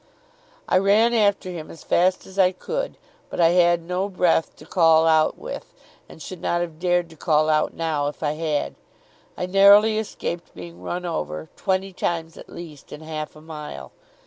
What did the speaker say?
I ran after him as fast as I could, but I had no breath to call out with, and should not have dared to call out, now, if I had. I narrowly escaped being run over, twenty times at least, in half a mile.